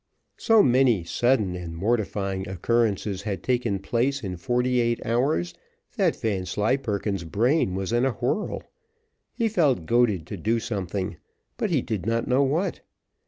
So many sudden and mortifying occurrences had taken place in forty eight hours that Vanslyperken's brain was in a whirl. He felt goaded to do something, but he did not know what.